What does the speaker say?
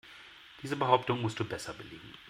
Diese Behauptung musst du besser belegen.